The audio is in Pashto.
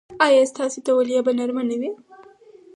ایا ستاسو تولیه به نرمه نه وي؟